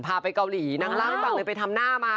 ไปเกาหลีนังรั่วไม่บัอกเลยไปทำหน้าม้า